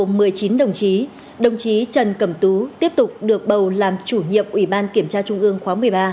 trung ương khóa một mươi ba gồm một mươi chín đồng chí đồng chí trần cẩm tú tiếp tục được bầu làm chủ nhiệm ủy ban kiểm tra trung ương khóa một mươi ba